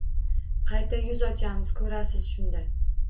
Qayta yuz ochamiz, ko’rasiz shunda